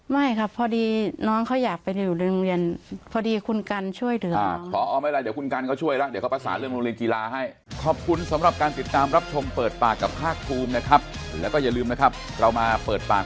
ไม่ครับพอดีน้องเขาอยากไปหนึ่งเอง